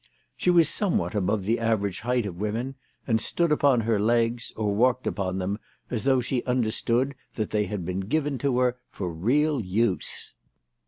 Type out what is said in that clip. She was somewhat above the average height of women, and stood upon her legs, or walked upon them, as though she understood that they had been given to her for real use.